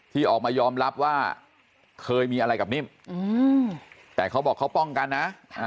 ที่ออกมายอมรับว่าเคยมีอะไรกับนิ่มแต่เขาบอกเขาป้องกันนะ